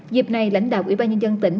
dịp này lãnh đạo ủy ban nhân dân tỉnh